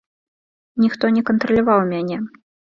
Ніхто не кантраляваў мяне.